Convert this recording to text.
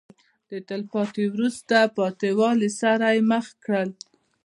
د تلپاتې وروسته پاتې والي سره یې مخ کړل.